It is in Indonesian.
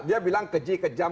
dia bilang keji kejam